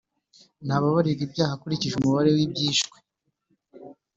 ntababarira ibyaha akurikije umubare w’ibyishwe.